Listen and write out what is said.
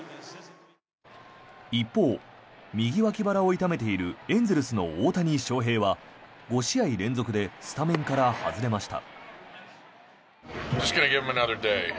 一方、右脇腹を痛めているエンゼルスの大谷翔平は５試合連続でスタメンから外れました。